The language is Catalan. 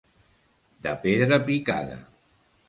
De pedra picada.